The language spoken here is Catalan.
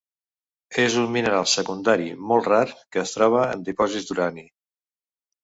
És un mineral secundari molt rar que es troba en dipòsits d'urani.